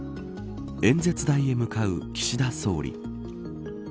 演説台へ向かう岸田総理。